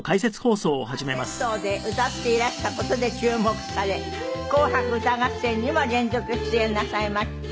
スーパー銭湯で歌っていらした事で注目され『紅白歌合戦』にも連続出演なさいました。